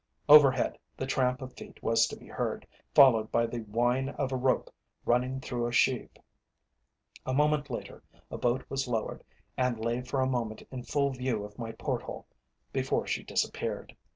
Overhead the tramp of feet was to be heard, followed by the whine of a rope running through a sheave. A moment later a boat was lowered, and lay for a moment in full view of my port hole, before she disappeared.